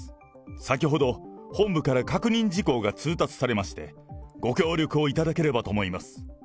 先ほど本部から確認事項が通達されまして、ご協力をいただければと思います。